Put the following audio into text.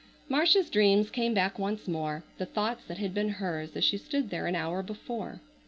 Marcia's dreams came back once more, the thoughts that had been hers as she stood there an hour before.